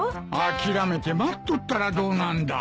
諦めて待っとったらどうなんだ。